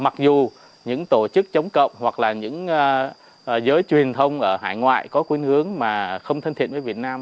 mặc dù những tổ chức chống cộng hoặc là những giới truyền thông ở hải ngoại có khuyến hướng mà không thân thiện với việt nam